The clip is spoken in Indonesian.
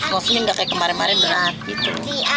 maksudnya nggak kayak kemarin kemarin berat gitu